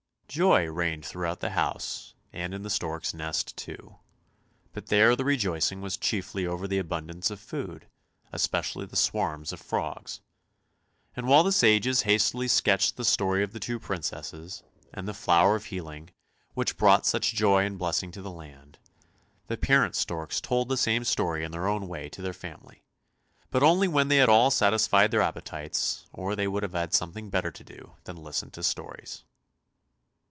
Joy reigned throughout the house and in the stork's nest too, but there the rejoicing was chiefly over the abundance of food, especially the swarms of frogs. And while the sages hastily sketched the story of the two Princesses and the flower of healing, which brought such joy ancj blessing to the land, the parent THE MARSH KING'S DAUGHTER 303 storks told the same story in their own way to their family; but only when they had all satisfied their appetites, or they would have had something better to do than to listen to stories.